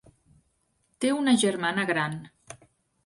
Té una germana gran.